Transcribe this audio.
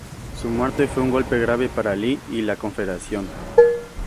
Su muerte fue un golpe grave para Lee y para la Confederación.